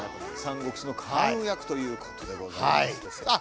国志の関羽役ということでございます・